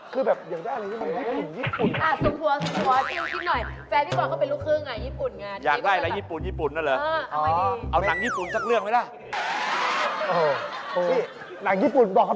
คือแบบอย่างไรเหมือนกับชุดผัว